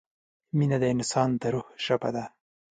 مینه د انسان د روح ژبه ده.